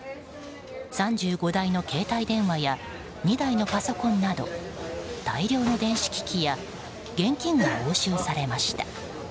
３５台の携帯電話や２台のパソコンなど大量の電子機器や現金が押収されました。